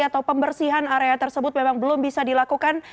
atau pembersihan area tersebut memang belum bisa dilakukan